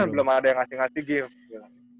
belum ada yang ngasih ngasih gift